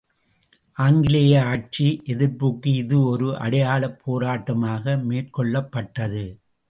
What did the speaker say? ஆங்கிலேய ஆட்சி எதிர்ப்புக்கு இது ஒரு அடையாளப் போராட்டமாக மேற்கொள்ளப்பட்டது.